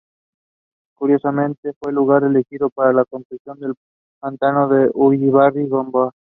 Curiosamente fue el lugar elegido para la construcción del pantano de Ullíbarri-Gamboa.